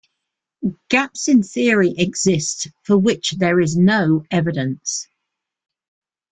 Gaps in the Theory exist for which there is no evidence.